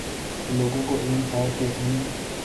لوگوں کو علم تھا کہ ان